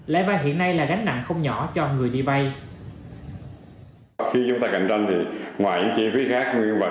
lãi vay hiện nay là gánh nặng không nhỏ cho người đi vay